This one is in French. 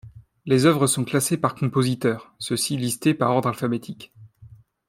Les œuvres sont classés par compositeurs, ceux-ci listés par ordre alphabétique.